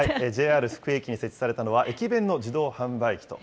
ＪＲ福井駅に設置されたのは駅弁の自動販売機と。